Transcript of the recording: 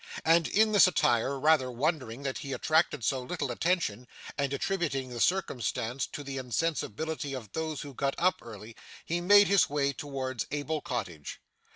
And in this attire, rather wondering that he attracted so little attention, and attributing the circumstance to the insensibility of those who got up early, he made his way towards Abel Cottage.